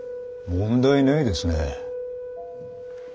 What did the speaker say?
問題ないですね。